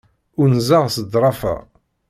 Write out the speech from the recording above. Unzeɣ s ḍḍrafa.